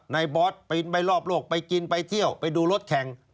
บอสปีนไปรอบโลกไปกินไปเที่ยวไปดูรถแข่ง